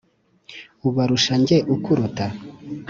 ubarusha njye ukurata !